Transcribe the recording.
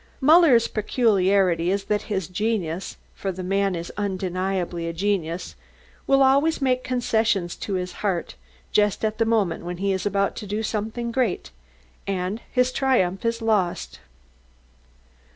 Muller's peculiarity is that his genius for the man has undeniable genius will always make concessions to his heart just at the moment when he is about to do something great and his triumph is lost."